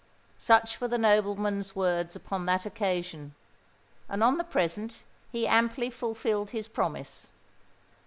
Such were the nobleman's words upon that occasion; and, on the present, he amply fulfilled his promise.